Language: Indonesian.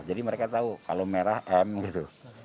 jadi mereka tahu kalau merah m gitu